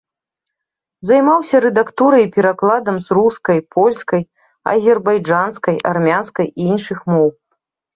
Займаўся рэдактурай і перакладам з рускай, польскай, азербайджанскай, армянскай і іншых моў.